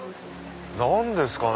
何ですかね？